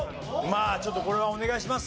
まあちょっとこれはお願いします